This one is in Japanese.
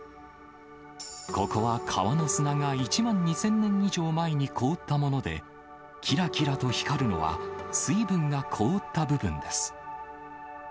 ここは川の砂が１万２０００年以上前に凍ったもので、きらきらと光るのは、水分が凍った部分です。